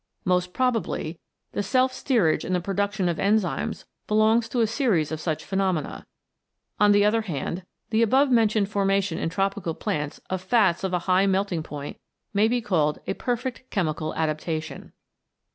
Most probably the self steerage in the production of enzymes belongs to a series of such phenomena. On the other hand, the above mentioned formation in tropical plants of fats of a high melting point may be called a perfect chemical adaptation.